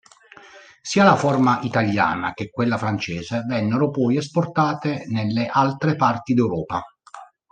Sia la forma italiana che quella francese vennero poi esportate nelle altre parti d'Europa.